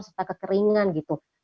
serta kekeringan gitu